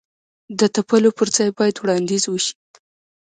د تپلو پر ځای باید وړاندیز وشي.